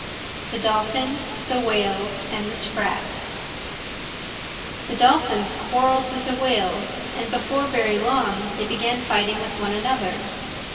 THE DOLPHINS, THE WHALES, AND THE SPRAT The Dolphins quarrelled with the Whales, and before very long they began fighting with one another.